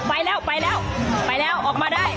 ไปแล้วออกมาได้